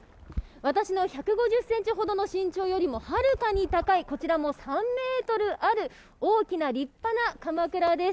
私の１５０ｃｍほどの身長よりもはるかに高い、こちらも３ｍある大きな立派なかまくらです。